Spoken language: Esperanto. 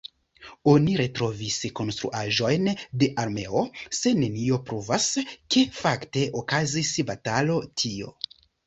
Oni retrovis konstruaĵojn de armeo, se neniu pruvas, ke fakte okazis batalo tio.